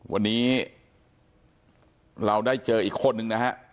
วันนี้เราได้เจออีกคนนึงนะฮะ